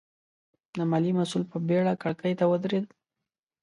د ماليې مسوول په بېړه کړکۍ ته ودرېد.